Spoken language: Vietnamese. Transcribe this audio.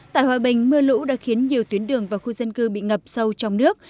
tại hòa bình mưa lũ đã khiến nhiều tuyến đường và khu dân cư bị ngập sâu trong nước